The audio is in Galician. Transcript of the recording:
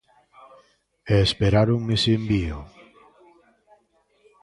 E esperaron ese envío.